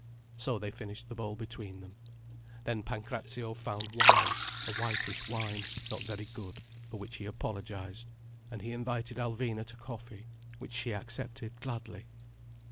So they finished the bowl between them. Then Pancrazio found wine—a whitish wine, not very good, for which he apologized. And he invited Alvina to coffee. Which she accepted gladly.